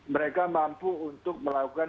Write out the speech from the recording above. mereka mampu untuk melakukan